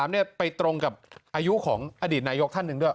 ไปตรงกับอายุของอดีตนายกท่านหนึ่งด้วย